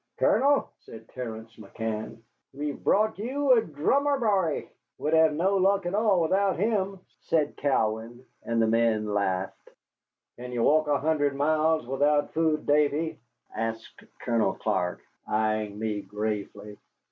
"Colonel," said Terence McCann, "we've brought ye a dhrummer b'y." "We'd have no luck at all without him," said Cowan, and the men laughed. "Can you walk an hundred miles without food, Davy?" asked Colonel Clark, eying me gravely.